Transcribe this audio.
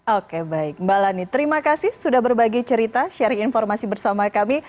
oke baik mbak lani terima kasih sudah berbagi cerita sharing informasi bersama kami